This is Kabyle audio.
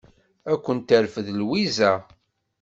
Ad kent-terfed Lwiza.